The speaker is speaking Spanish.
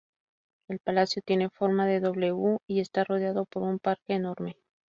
El palacio tiene forma de doble U, y está rodeado por un parque enorme.